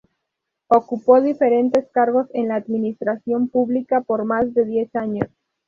Ocupó diferentes cargos en la administración pública por más de diez años.